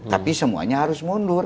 tapi semuanya harus mundur